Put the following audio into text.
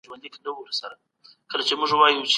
دولت بايد مالي او بانکی ادارې پياوړي کړي.